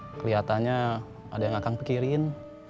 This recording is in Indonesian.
kelihatannya ada yang akan pikirin